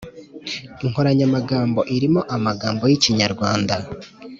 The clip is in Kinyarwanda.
inkoranyamagambo irimo amagambo y'ikinyarwanda